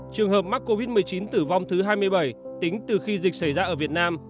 trường hợp mắc covid một mươi chín tử vong thứ hai mươi bảy tính từ khi dịch xảy ra ở việt nam